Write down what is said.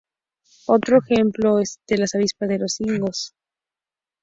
Otro ejemplo es el de las avispas de los higos.